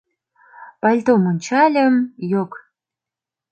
Пальтом ончальым — йок.